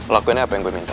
lakuinnya apa yang gue minta